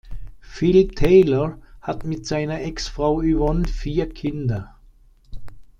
Phil Taylor hat mit seiner Ex-Frau Yvonne vier Kinder.